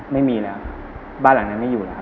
ไม่มีแล้วบ้านหลังนั้นไม่อยู่แล้วครับ